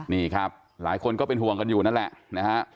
นี่ครับหลายคนก็เป็นห่วงกันอยู่นั่นแหละนะฮะ